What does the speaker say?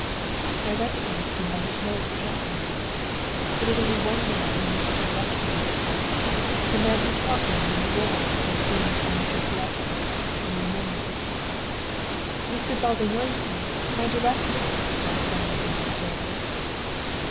"I recognised him by his mode of addressing me. There was only one man who used to address me in this way, the man who taught me my rôle at those famous amateur theatricals that you remember. "'Mr. Bálványossi! Mr. Director!' I stammered, in my joy.